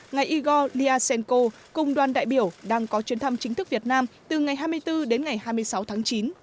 ngài igor lyashenko cùng đoàn đại biểu đang có chuyến thăm chính thức việt nam từ ngày hai mươi bốn đến ngày hai mươi sáu tháng chín